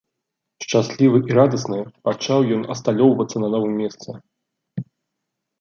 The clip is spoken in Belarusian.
Шчаслівы і радасны пачаў ён асталёўвацца на новым месцы.